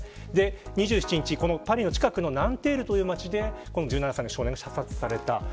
２７日、パリの近くのナンテールという町で１７歳の少年が射殺された。